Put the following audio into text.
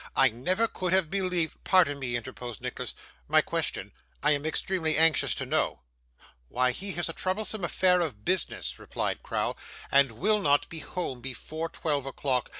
I never could have believed ' 'Pardon me,' interposed Nicholas. 'My question I am extremely anxious to know.' 'Why, he has a troublesome affair of business,' replied Crowl, 'and will not be home before twelve o'clock.